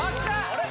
あれ？